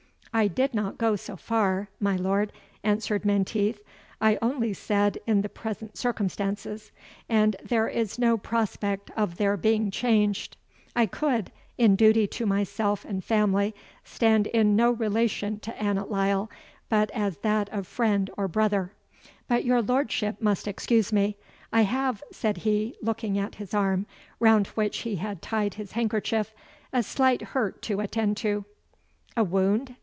"I did not go so far, my lord," answered Menteith "I only said in the present circumstances and there is no prospect of their being changed, I could, in duty to myself and family, stand in no relation to Annot Lyle, but as that of friend or brother But your lordship must excuse me; I have," said he, looking at his arm, round which he had tied his handkerchief, "a slight hurt to attend to." "A wound?"